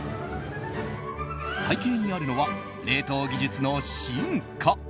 背景にあるのは冷凍技術の進化。